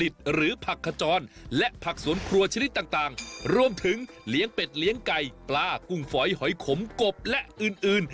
ถึงเลี้ยงเป็ดเลี้ยงไก่ปลากุ้งฝอยหอยขมกบและอื่น